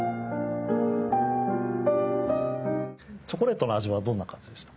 チョコレートの味はどんな感じでしたか？